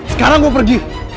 sekarang gue pergi